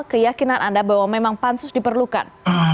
keyakinan anda bahwa memang pansus diperlukan